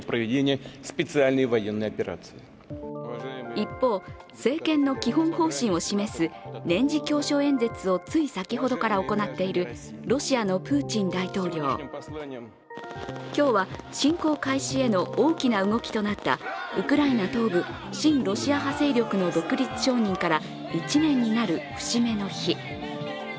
一方、政権の基本方針を示す年次教書演説をつい先ほどから行っているロシアのプーチン大統領。今日は侵攻開始への大きな動きとなったウクライナ東部、親ロシア派勢力の独立承認から１年になる節目の日。